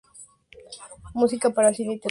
Música para cine y televisión